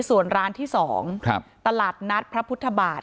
ส่วนร้านที่๒ตลาดนัดพระพุทธบาท